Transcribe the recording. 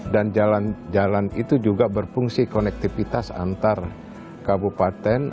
dan jalan jalan itu juga berfungsi konektivitas antar kabupaten